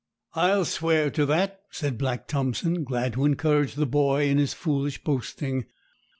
'I'll swear to that,' said Black Thompson, glad to encourage the boy in his foolish boasting.